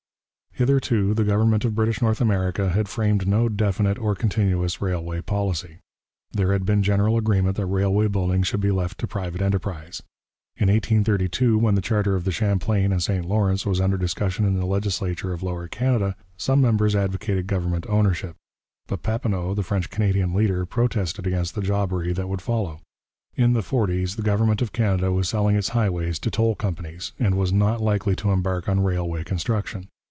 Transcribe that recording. Hitherto the government of British North America had framed no definite or continuous railway policy. There had been general agreement that railway building should be left to private enterprise. In 1832, when the charter of the Champlain and St Lawrence was under discussion in the legislature of Lower Canada, some members advocated government ownership, but Papineau, the French Canadian leader, protested against the jobbery that would follow. In the forties the government of Canada was selling its highways to toll companies, and was not likely to embark on railway construction.